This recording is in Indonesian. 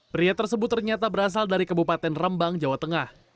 pria tersebut ternyata berasal dari kabupaten rembang jawa tengah